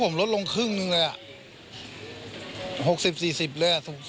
ผมลดลงครึ่งหนึ่งเลย